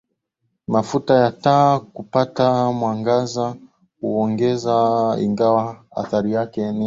mafuta ya taa kupata mwangaza huongezaIngawa athari yake